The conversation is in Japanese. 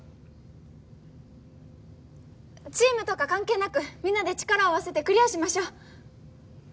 チームとか関係なくみんなで力を合わせてクリアしましょう。